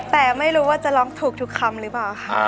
แต่ไม่รู้ว่าจะร้องถูกทุกคำไหร่บาวค่ะ